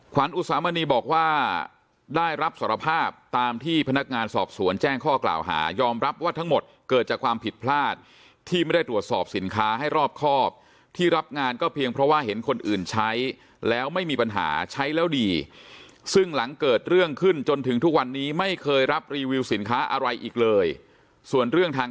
ขวัญอุสามณีบอกว่าได้รับสารภาพตามที่พนักงานสอบสวนแจ้งข้อกล่าวหายอมรับว่าทั้งหมดเกิดจากความผิดพลาดที่ไม่ได้ตรวจสอบสินค้าให้รอบครอบที่รับงานก็เพียงเพราะว่าเห็นคนอื่นใช้แล้วไม่มีปัญหาใช้แล้วดีซึ่งหลังเกิดเรื่องขึ้นจนถึงทุกวันนี้ไม่เคยรับรีวิวสินค้าอะไรอีกเลยส่วนเรื่องทาง